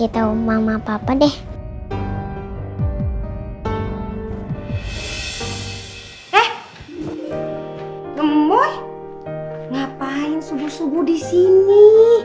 ini apa ya nanti aku kasih tahu mama papa deh eh temui ngapain subuh subuh disini